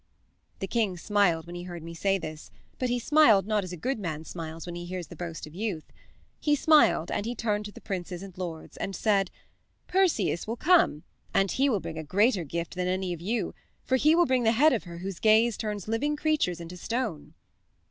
"The king smiled when he heard me say this, but he smiled not as a good man smiles when he hears the boast of youth. He smiled, and he turned to the princes and lords, and he said 'Perseus will come, and he will bring a greater gift than any of you, for he will bring the head of her whose gaze turns living creatures into stone.'